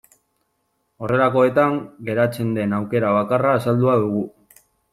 Horrelakoetan geratzen den aukera bakarra azaldua dugu.